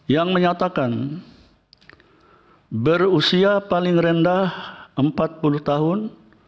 yang menyatakan berusia paling rendah empat puluh tahun